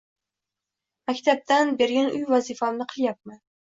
Maktabdan bergan uyga vazifamni qilyapman.